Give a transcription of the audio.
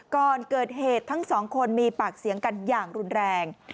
ก่อนเกิดเหตุทั้งสองคนมีปากเสียงกันอย่างรุนแรง